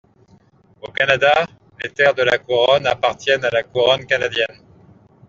Au Canada, les terres de la Couronne appartiennent à la Couronne canadienne.